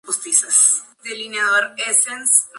Sin embargo esto hay que explicarlo de alguna manera.